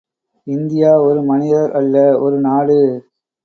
India ஒரு மனிதர் அல்ல ஒரு நாடு.